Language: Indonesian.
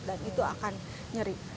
dan itu akan nyeri